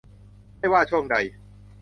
ไม่ว่าช่วงใด